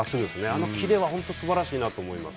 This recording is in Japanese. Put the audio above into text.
あの切れは本当にすばらしいなと思います。